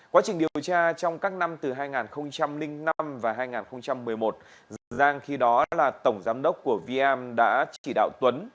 quá trình điều tra trong các năm từ hai nghìn năm và hai nghìn một mươi một giang khi đó là tổng giám đốc của vm đã chỉ đạo tuấn